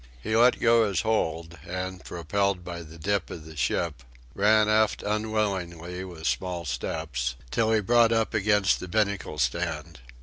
He let go his hold, and, propelled by the dip of the ship, ran aft unwillingly, with small steps, till he brought up against the binnacle stand.